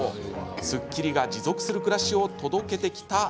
すっきりが持続する暮らしを届けてきた、